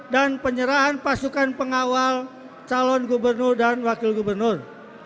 dan penyerahan pasukan pengawal calon gubernur dan wakil gubernur